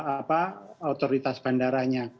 apa otoritas bandaranya